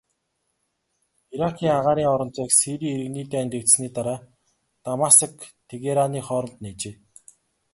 Иракийн агаарын орон зайг Сирийн иргэний дайн дэгдсэний дараа Дамаск-Тегераны хооронд нээжээ.